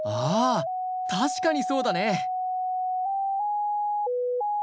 確かにそうだね。